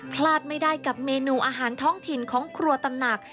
พลาดไม่ได้กับเมนูอาหารท้องถิ่นของครัวตำหนัก